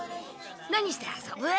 何して遊ぶ？